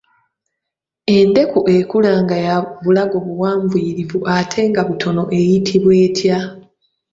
Endeku ekula nga ya bulago buwanvuuyirivu ate nga butono eyitibwa etya?